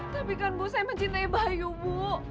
tapi kan ibu saya mencintai bayu ibu